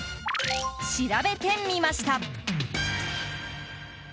調べてみました。